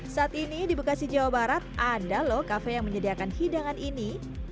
saat ini di bekasi jawa barat ada loh kafe yang menyediakan hidangan ini